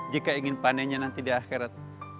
jika ingin panennya nanti di akhirat